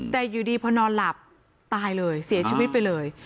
แต่อยู่ดีพอนอนหลับตายเลยเสียชีวิตไปเลย